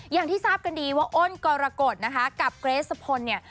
อย่างที่ทราบกันดีว่าโอนกรกฎกับเกรทสะพนเนี่ย